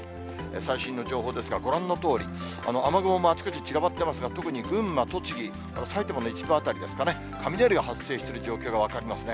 最新の情報ですが、ご覧のとおり、雨雲もあちこち散らばっていますが、特に群馬、栃木、それから埼玉の一部辺りですかね、雷が発生している状況が分かりますね。